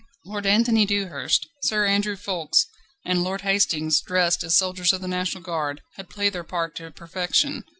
Lord Anthony Dewhurst, Sir Andrew Ffoulkes, and Lord Hastings, dressed as soldiers of the National Guard, had played their part to perfection.